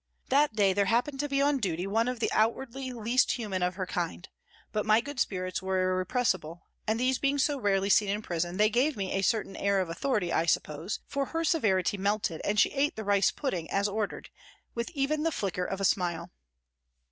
That day there happened to be on duty one of the outwardly least human of her kind, but my good spirits were irrepressible, and these being so rarely seen in prison, they gave me a certain air of authority, I suppose, for her severity melted and she ate the rice pudding, as ordered, with even the flicker of a smile.